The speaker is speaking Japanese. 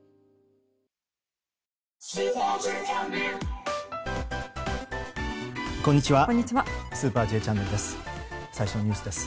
最初のニュースです。